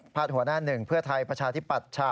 หัวหน้าหนึ่งเพื่อไทยประชาธิปัตย์